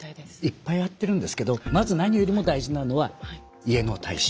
いっぱいやってるんですけどまず何よりも大事なのは家の耐震化。